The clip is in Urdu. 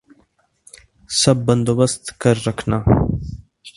سب بندوبست کر رکھنا